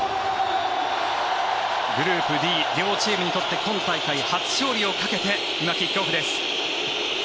グループＤ、両チームにとって今大会初勝利をかけて今、キックオフです。